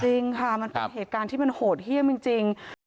จริงค่ะมันเป็นเหตุการณ์ที่มันโหดเยี่ยมจริง